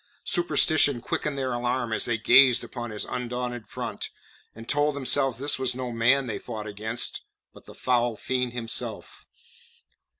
Superstition quickened their alarm as they gazed upon his undaunted front, and told themselves this was no man they fought against, but the foul fiend himself.